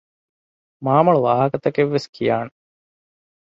މާމޮޅު ވާހަކަތައްވެސް ކިޔާނެ